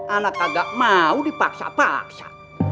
anak agak mau dipaksa paksa